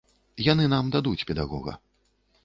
Яны нам дадуць педагога.